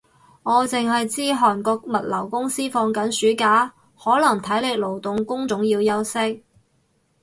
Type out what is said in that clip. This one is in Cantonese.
我剩係知韓國物流公司放緊暑假，可能體力勞動工種要休息